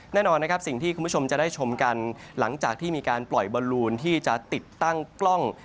แน่นอนนะครับสิ่งที่คุณผู้ชมจะได้ชมกันหลังจากที่มีการปล่อยบอลลูนที่จะติดตั้งกล้อง